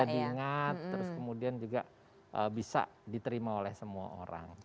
bisa diingat terus kemudian juga bisa diterima oleh semua orang